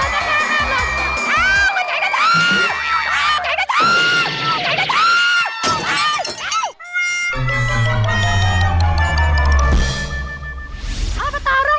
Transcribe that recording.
ไปในเวลา๕นาที๔๐วินาทีค่ะ